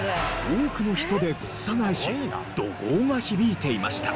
多くの人でごった返し怒号が響いていました。